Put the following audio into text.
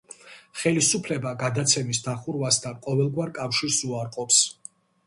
ხელისუფლება გადაცემის დახურვასთან ყოველგვარ კავშირს უარყოფს.